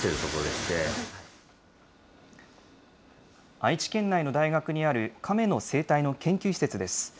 愛知県内の大学にあるカメの生態の研究施設です。